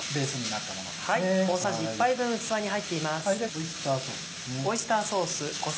オイスターソースです。